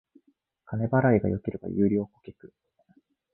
金払いが良ければ優良顧客